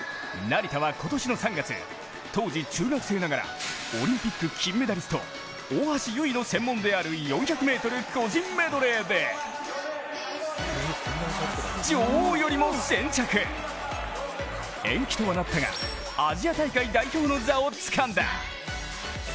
成田は今年の３月当時中学生ながらオリンピック金メダリスト、大橋悠依の専門である４００ｍ個人メドレーで女王よりも先着、延期とはなったが、アジア大会代表の座をつかんだ。